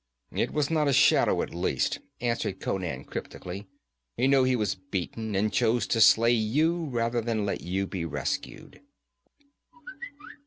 'It was not a shadow, at least,' answered Conan cryptically. 'He knew he was beaten, and chose to slay you rather than let you be rescued.'